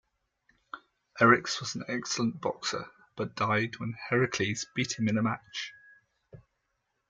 Eryx was an excellent boxer but died when Heracles beat him in a match.